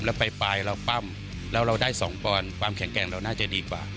แล้วปลายเราปั้มแล้วเราได้๒ปอนด์ความแข็งแกร่งเราน่าจะดีกว่า